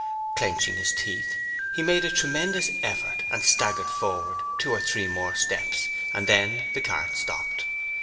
Clenching his teeth, he made a tremendous effort and staggered forward two or three more steps and then the cart stopped.